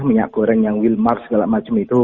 minyak goreng yang wilmark segala macam itu